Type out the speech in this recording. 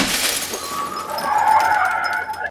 اوس به څنګه نكلچي غاړه تازه كي.